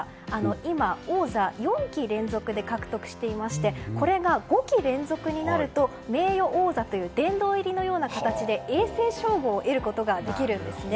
今、王座４期連続で獲得していましてこれが５期連続になると名誉王座という殿堂入りのような形で永世称号を得ることができるんですね。